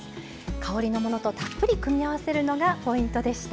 香りのものとたっぷり組み合わせるのがポイントでした。